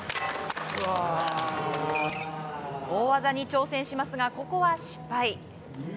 大技に挑戦しますが、ここは失敗。